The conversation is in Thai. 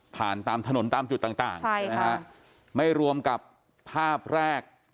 ตามถนนตามจุดต่างต่างใช่นะฮะไม่รวมกับภาพแรก